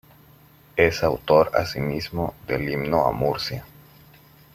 Es autor asimismo del "Himno a Murcia".